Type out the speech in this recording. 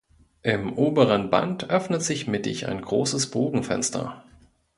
Im oberen Band öffnet sich mittig ein großes Bogenfenster.